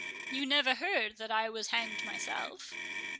You never heard that I was hanged myself?"